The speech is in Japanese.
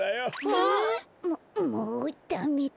えっ？ももうダメだ。